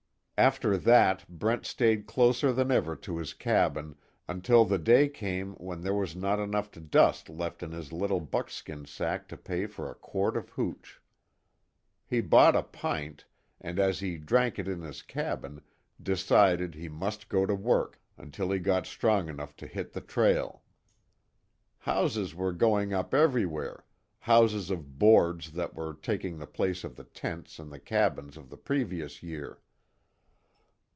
After that Brent stayed closer than ever to his cabin until the day came when there was not enough dust left in his little buckskin sack to pay for a quart of hooch. He bought a pint, and as he drank it in his cabin, decided he must go to work, until he got strong enough to hit the trail. Houses were going up everywhere, houses of boards that were taking the place of the tents and the cabins of the previous year.